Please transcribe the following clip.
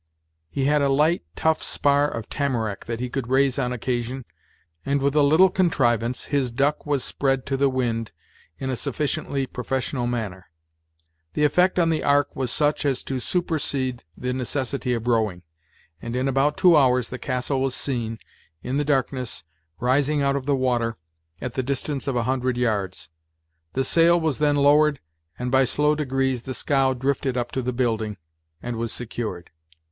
He had a light, tough spar of tamarack that he could raise on occasion, and with a little contrivance, his duck was spread to the wind in a sufficiently professional manner. The effect on the ark was such as to supersede the necessity of rowing; and in about two hours the castle was seen, in the darkness, rising out of the water, at the distance of a hundred yards. The sail was then lowered, and by slow degrees the scow drifted up to the building, and was secured.